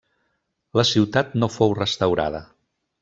La ciutat no fou restaurada.